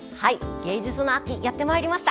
芸術の秋やってまいりました。